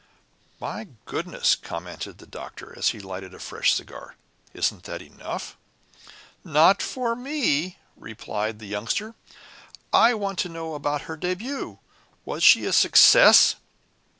"My goodness," commented the Doctor, as he lighted a fresh cigar. "Isn't that enough?" "Not for me," replied the Youngster. "I want to know about her début. Was she a success?"